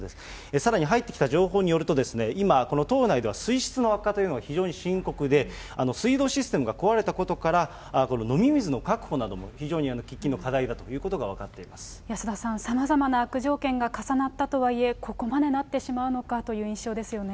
さらに入ってきた情報によると、今、この島内では水質の悪化というのが非常に深刻で、水道システムが壊れたことから、この飲み水の確保なども非常に喫緊の課題だということが分かって安田さん、さまざまな悪条件が重なったとはいえ、ここまでなってしまうのかという印象ですよね。